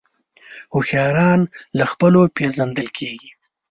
هوښیاران له خبرو پېژندل کېږي